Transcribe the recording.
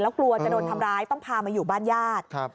กลัวจะโดนทำร้ายต้องพามาอยู่บ้านญาติ